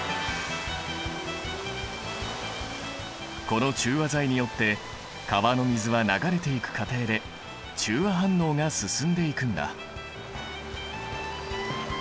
この中和剤によって川の水は流れていく過程で中和反応が進んでいくんだ。